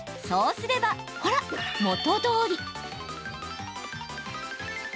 そうすればほら、元どおり。